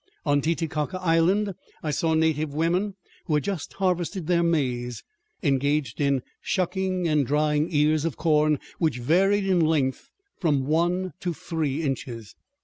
On Titicaca Island I saw native women, who had just harvested their maize, engaged in shucking and drying ears of corn which varied in length from one to three inches.